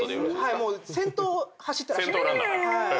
先頭を走ってらっしゃる。